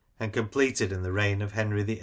and completed in the reign of Henry VIII.